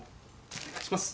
お願いします。